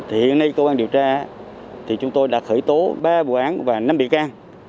hiện nay công an điều tra thì chúng tôi đã khởi tố ba vụ án và năm bị can